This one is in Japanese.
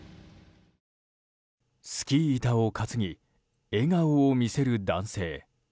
スキー板を担ぎ笑顔を見せる男性。